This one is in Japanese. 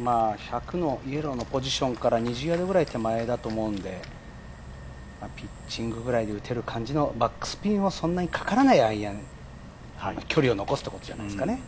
１００のポジションから２０ヤードくらい手前だと思うので、ピッチングくらいで打てる感じのバックスピンがそんなにかからないアイアン距離を残すところじゃないですかね。